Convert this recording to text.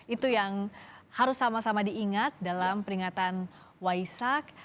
itu yang harus sama sama diingat dalam peringatan waisak